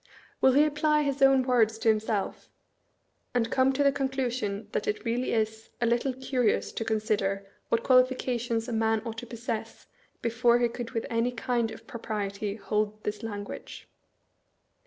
Will he apply his own words to himself, and come to the conclusion that it really is "a little curious to consider what qualifications a man ought to possess, before he could with any kiad of propriety hold this language"?